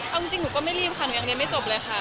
เอาจริงหนูก็ไม่รีบค่ะหนูยังเรียนไม่จบเลยค่ะ